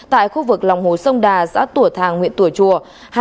tại khu vực lòng hồ sông đà xã tủa thàng huyện tủa chùa